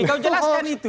kau jelaskan itu